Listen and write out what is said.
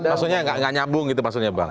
maksudnya gak nyabung gitu maksudnya bang